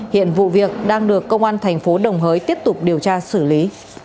hiện vụ việc đang được công an thành phố đồng hới tiếp tục điều tra xử lý